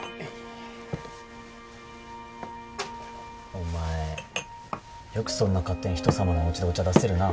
お前よくそんな勝手に人様のおうちでお茶出せるな。